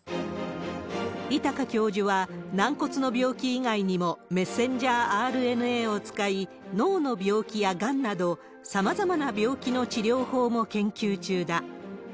位高教授は、軟骨の病気以外にも、メッセンジャーＲＮＡを使い、脳の病気やがんなど、さまざまな病気の治療法も研究中だ。